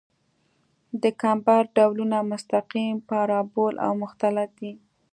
د کمبر ډولونه مستقیم، پارابول او مختلط دي